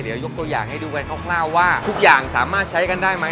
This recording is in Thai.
เดี๋ยวยกตัวอย่างให้ดูกันคร่าวว่าทุกอย่างสามารถใช้กันได้ไหม